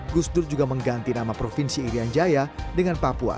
gus dur juga mengganti nama provinsi irian jaya dengan papua